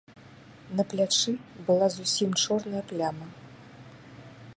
На плячы была зусім чорная пляма.